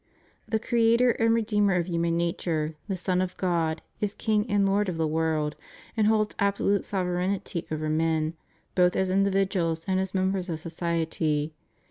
The Creator and Redeemer of human nature, the Son of God, is King and Lord of the world, and holds absolute sovereignty over men, both as individuals and as members of society.